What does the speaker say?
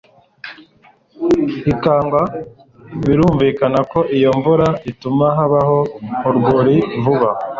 ikagwa Birumvikana ko iyo mvura ituma habaho urwuri ruba